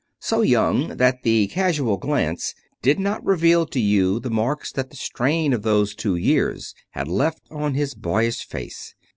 So young that the casual glance did not reveal to you the marks that the strain of those two years had left on his boyish face.